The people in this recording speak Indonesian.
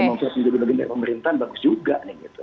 kalau demokrat sendiri baginda pemerintahan bagus juga nih gitu